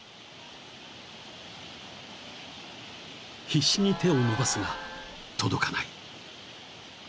［必死に手を伸ばすが届かない］